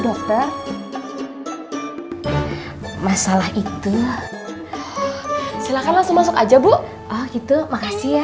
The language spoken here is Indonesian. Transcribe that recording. dokter masalah itu silakan langsung masuk aja bu oh gitu makasih ya